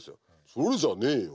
「それじゃねえよ」